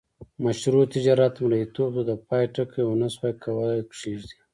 مشروع تجارت مریتوب ته د پای ټکی ونه سوای کولای کښيږدي.